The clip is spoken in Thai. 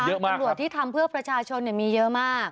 ตำรวจที่ทำเพื่อประชาชนมีเยอะมาก